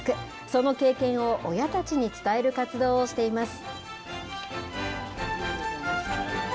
その経験を親たちに伝える活動をしています。